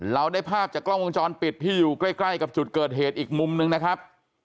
เราได้ภาพจากกล้องวงจรปิดที่อยู่ใกล้กับจุดเกิดเหตุอีกมุมนึงนะครับ